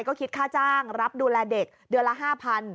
ก็คิดค่าจ้างรับดูแลเด็กเดือนละ๕๐๐